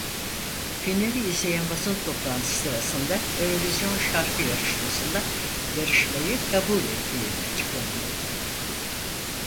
Finali izleyen basın toplantısı sırasında Eurovision Şarkı Yarışması'nda yarışmayı kabul ettiği açıklandı.